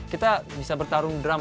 kita bisa bertarung drum